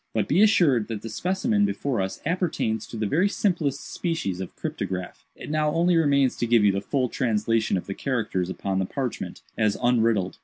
But be assured that the specimen before us appertains to the very simplest species of cryptograph. It now only remains to give you the full translation of the characters upon the parchment, as unriddled.